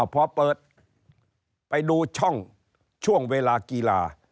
พอเปิดไปดูช่องช่วงเวลากีฬา